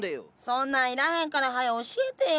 そんなんいらへんからはよ教えてや。